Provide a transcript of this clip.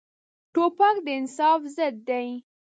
توپک د انصاف ضد دی.